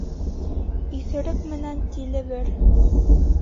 Иҫерек менән тиле бер.